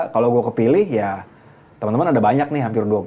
kalau gue kepilih ya teman teman ada banyak nih hampir dua puluh